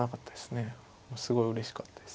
すごいうれしかったです。